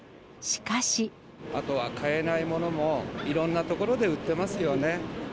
あとは買えないものも、いろんな所で売ってますよね。